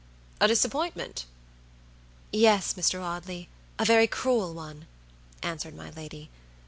"A disappointment!" "Yes, Mr. Audley, a very cruel one," answered my lady.